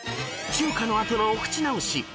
［中華の後のお口直し］